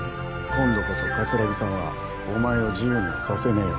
今度こそ桂木さんはお前を自由にはさせねえよ